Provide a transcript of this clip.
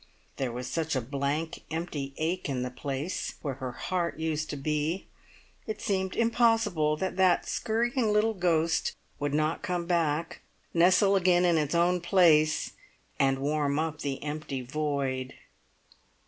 There was such a blank, empty ache in the place where her heart used to be. It seemed impossible that that skurrying little ghost would not come back, nestle again in its own place, and warm up the empty void.